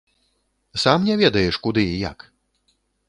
Сам не ведаеш, куды і як?